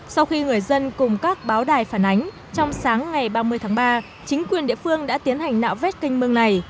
sau khi người dân cùng các báo đài phản ánh trong sáng ngày ba mươi tháng ba chính quyền địa phương đã tiến hành nạo vét kênh mương này